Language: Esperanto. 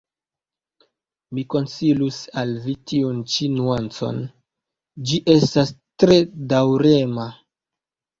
Mi konsilus al vi tiun ĉi nuancon; ĝi estas tre daŭrema.